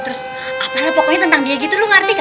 terus apa pokoknya tentang dia gitu lo ngerti gak gak